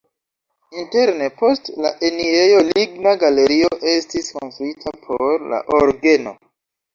Interne post la enirejo ligna galerio estis konstruita por la orgeno.